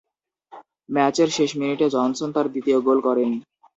ম্যাচের শেষ মিনিটে জনসন তার দ্বিতীয় গোল করেন।